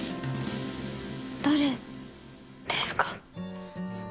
誰ですか？